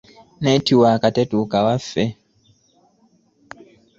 Netiwaaka tetuuka waffe.